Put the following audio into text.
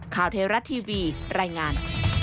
ข่าวเทราะห์ทีวีรายงาน